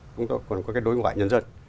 chúng tôi còn có cái đối ngoại nhân dân